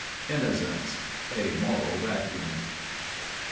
INNOCENCE. A moral vacuum.